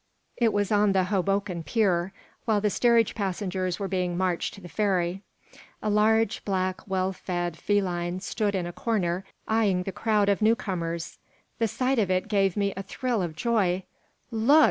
It was on the Hoboken pier, while the steerage passengers were being marched to the ferry. A large, black, well fed feline stood in a corner, eying the crowd of new comers. The sight of it gave me a thrill of joy. "Look!